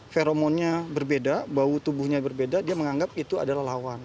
feromonnya berbeda bau tubuhnya berbeda dia menganggap itu adalah lawan